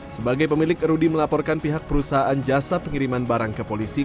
sebagai pemilik rudy melaporkan pihak perusahaan jasa pengiriman barang ke polisi